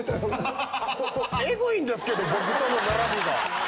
えぐいんですけど僕との並びが。